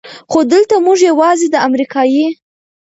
خو دلته مونږ يواځې د امريکې